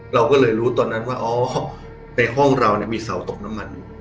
เราก็เลยรู้ตอนนั้นว่าอ๋อในห้องเรามีเสาตกน้ำมัน